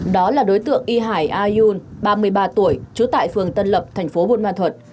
đó là đối tượng y hải a yun ba mươi ba tuổi trú tại phường tân lập tp buôn ma thuật